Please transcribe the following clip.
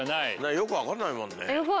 よく分かんないもんね。